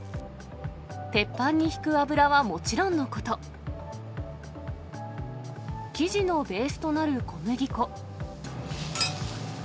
鉄板にひく油はもちろんのこと、生地のベースとなる小麦粉。